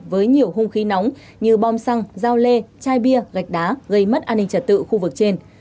với nhiều hung khí nóng như bom xăng giao lê chai bia gạch đá gây mất an ninh trật tự khu vực trên